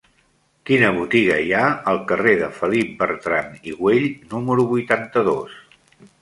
Quina botiga hi ha al carrer de Felip Bertran i Güell número vuitanta-dos?